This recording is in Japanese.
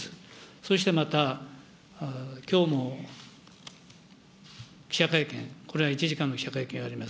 そしてまた、きょうも記者会見、これは１時間の記者会見をやります。